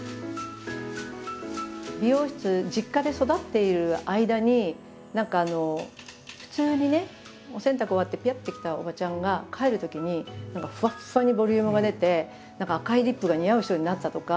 美容室実家で育っている間に何か普通にねお洗濯終わってピュッて来たおばちゃんが帰るときにふわっふわにボリュームが出て何か赤いリップが似合う人になったとか。